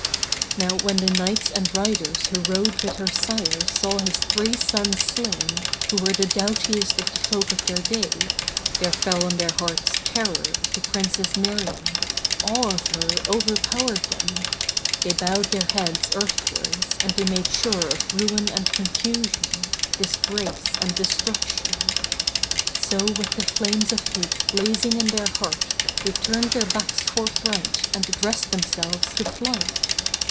Now when the Knights and riders who rode with her sire saw his three sons slain, who were the doughtiest of the folk of their day, there fell on their hearts terror of the Princess Miriam, awe of her overpowered them; they bowed their heads earthwards and they made sure of ruin and confusion, disgrace and destruction. So with the flames of hate blazing in heart they turned their backs forthright and addressed themselves to flight.